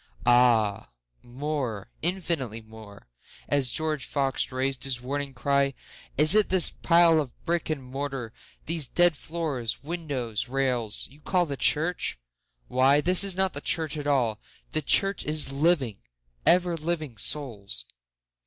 Ah more—infinitely more;(As George Fox rais'd his warning cry, "Is it this pile of brick and mortar—these dead floors, windows, rails—you call the church? Why this is not the church at all—the Church is living, ever living Souls.")